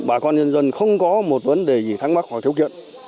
bà con nhân dân không có một vấn đề gì thắng mắc hoặc thiếu kiện